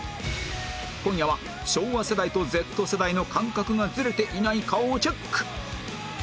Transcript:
今夜は昭和世代と Ｚ 世代の感覚がずれていないかをチェック